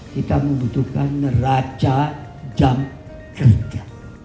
kita membutuhkan neraca jam kerja